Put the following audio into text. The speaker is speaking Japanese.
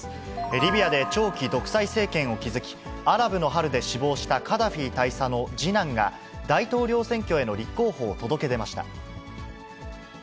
リビアで長期独裁政権を築き、アラブの春で死亡したカダフィ大佐の次男が、大統領選挙への立候補を届け出ました。